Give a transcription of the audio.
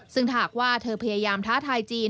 ซึ่งหากว่าเธอพยายามท้าทายจีน